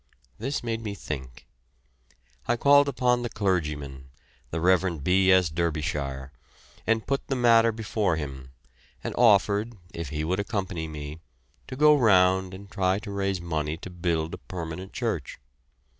This made me think. I called upon the clergyman, the Rev. B. S. Derbyshire, and put the matter before him, and offered, if he would accompany me, to go round and try to raise money to build a permanent church.